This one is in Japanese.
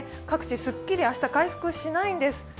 各地すっきり明日回復しないんです。